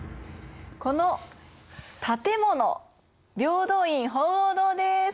この建物平等院鳳凰堂です！